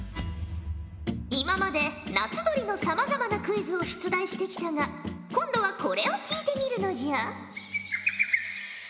今まで夏鳥のさまざまなクイズを出題してきたが今度はこれを聞いてみるのじゃ。